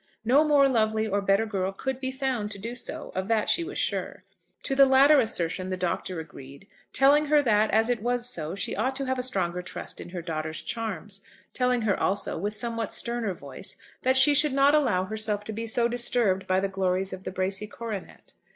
No more lovely or better girl could be found to do so; of that she was sure. To the latter assertion the Doctor agreed, telling her that, as it was so, she ought to have a stronger trust in her daughter's charms, telling her also, with somewhat sterner voice, that she should not allow herself to be so disturbed by the glories of the Bracy coronet.